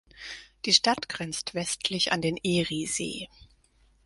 Die Stadt grenzt westlich an den Eriesee.